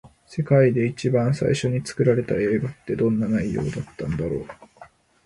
世界で一番最初に作られた映画って、どんな内容だったんだろう。